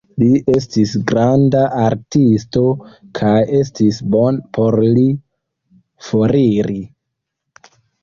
Li estis granda artisto, kaj estis bone por li foriri.